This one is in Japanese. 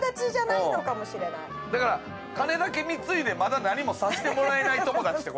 だから金だけ貢いでまだ何もさせてもらえない友達って事でしょ？